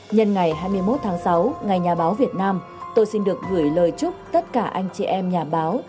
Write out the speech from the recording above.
nhân ngày hai mươi một tháng sáu ngày nhà báo việt nam tôi xin được gửi lời chúc tất cả anh chị em nhà báo